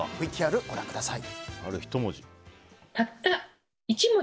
ＶＴＲ、ご覧ください。